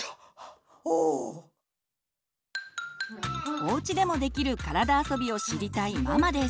おうちでもできる体あそびを知りたいママです。